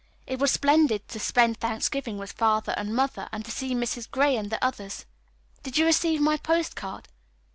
It was splendid to spend Thanksgiving with Father and Mother, and to see Mrs. Gray and the others. Did you receive my postcard?